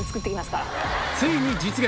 ついに実現！